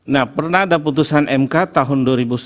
nah pernah ada putusan mk tahun dua ribu sepuluh